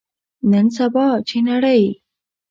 نن سبا، چې نړۍ